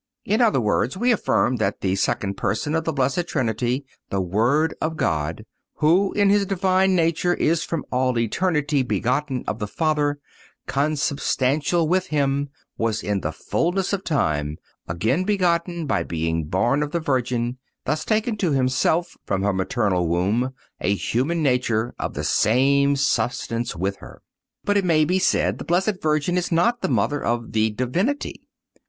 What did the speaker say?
In other words, we affirm that the Second Person of the Blessed Trinity, the Word of God, who in His divine nature is from all eternity begotten of the Father, consubstantial with Him, was in the fulness of time again begotten, by being born of the Virgin, thus taking to Himself, from her maternal womb, a human nature of the same substance with hers. But it may be said the Blessed Virgin is not the Mother of the Divinity.